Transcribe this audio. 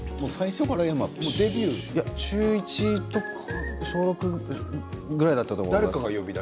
中１ぐらいかな小６ぐらいだったと思います。